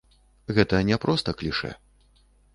Гэта не проста клішэ.